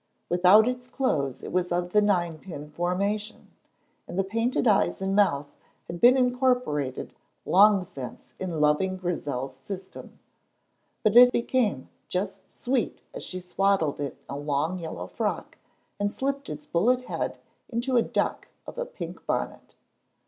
Without its clothes it was of the nine pin formation, and the painted eyes and mouth had been incorporated long since in loving Grizel's system; but it became just sweet as she swaddled it in a long yellow frock and slipped its bullet head into a duck of a pink bonnet.